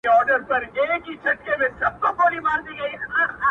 o دا حالت کيسه يو فلسفي او تخيلي لور ته بيايي,